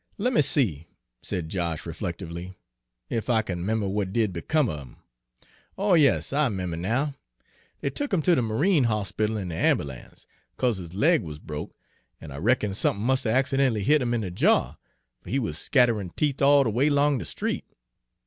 "Lemme see," said Josh reflectively, "ef I kin 'member w'at did become er him! Oh, yes, I 'member now! Dey tuck him ter de Marine Horspittle in de amberlance, 'cause his leg wuz broke, an' I reckon somethin' must 'a' accident'ly hit 'im in de jaw, fer he wuz scatt'rin' teeth all de way 'long de street.